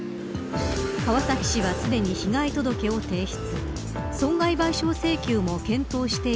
川崎市はすでに被害届を提出。